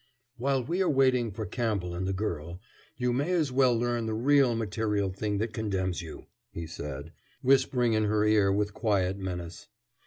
"While we are waiting for Campbell and the girl you may as well learn the really material thing that condemns you," he said, whispering in her ear with quiet menace.